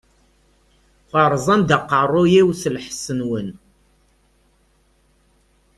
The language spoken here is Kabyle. Teṛṛẓam-d aqeṛṛu-yiw s lḥess-nwen!